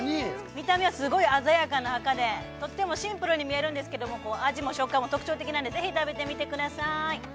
見た目はすごい鮮やかな赤でとってもシンプルに見えるんですけども味も食感も特徴的なんでぜひ食べてみてください